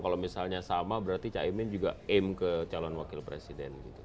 kalau misalnya sama berarti caimin juga aim ke calon wakil presiden gitu